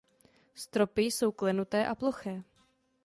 Stropy jsou klenuté a ploché.